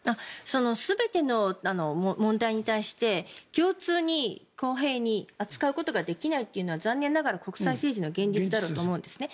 全ての問題に対して共通に公平に扱うことができないというのは残念ながら国際社会の現実だろうと思うんですね。